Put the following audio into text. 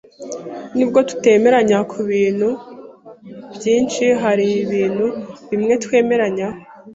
Nubwo tutemeranya kubintu byinshi, hari ibintu bimwe twemeranyaho.